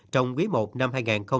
trong quý i năm hai nghìn hai mươi bốn